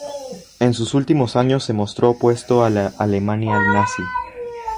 En sus últimos años se mostró opuesto a la Alemania nazi.